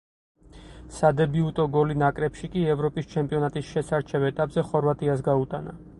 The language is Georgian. სადებიუტო გოლი ნაკრებში კი ევროპის ჩემპიონატის შესარჩევ ეტაპზე ხორვატიას გაუტანა.